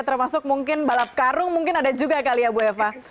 termasuk mungkin balap karung mungkin ada juga kali ya bu eva